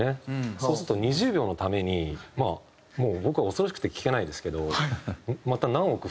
そうすると２０秒のためにもう僕は恐ろしくて聞けないですけどまた何億増えるんだろうとか制作費。